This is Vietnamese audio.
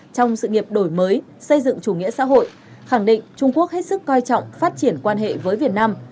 trong sự nghiệp đổi mới xây dựng chủ nghĩa xã hội khẳng định trung quốc hết sức coi trọng phát triển quan hệ với việt nam